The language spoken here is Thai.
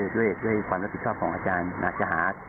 ด้วยความรับผิดชอบของอาจารย์อาจจะหา